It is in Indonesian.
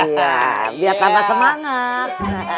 iya biar tambah semangat